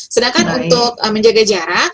sedangkan untuk menjaga jarak